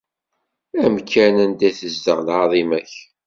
Amkan anda i tezdeɣ lɛaḍima-k.